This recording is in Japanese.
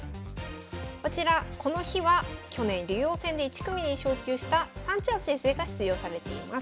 こちらこの日は去年竜王戦で１組に昇級したさんちゃん先生が出場されています。